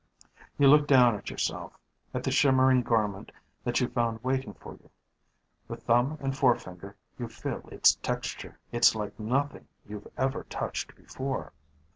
You look down at yourself, at the shimmering garment that you found waiting for you. With thumb and forefinger you feel its texture. It's like nothing you've ever touched before.